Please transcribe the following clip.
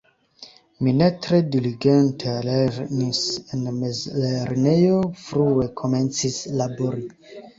Mi ne tre diligente lernis en mezlernejo, frue komencis labori.